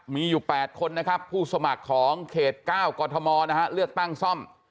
มีอยู่๘คนนะครับผู้สมัครของเขต๙กรทมนะฮะเลือกตั้งซ่อม